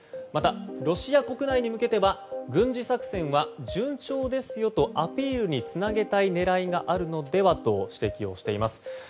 また、ロシア国内に向けては軍事作戦は順調ですよとアピールにつなげたい狙いがあるのではと指摘しています。